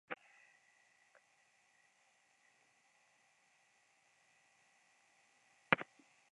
Birtokos gróf Batthyány Zsigmond.